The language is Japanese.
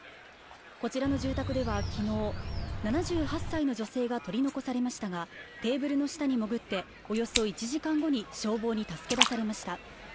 こちらの住宅ではきのう７８歳の女性が取り残されましたが、テーブルの下に潜っておよそ１時間後に消防に助け出されました。